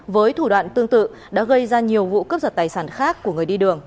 với thủ đoạn tương tự đã gây ra nhiều vụ cướp giật tài sản khác của người đi đường